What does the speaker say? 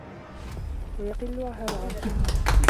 وَيُقِلُّ هَلَعَهُ